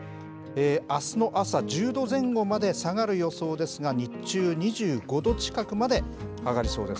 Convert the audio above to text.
あすの朝１０度前後まで下がる予想ですが、日中２５度近くまで上がりそうです。